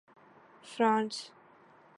France